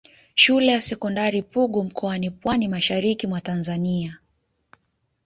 Shule ya sekondari Pugu mkoani Pwani mashariki mwa Tanzania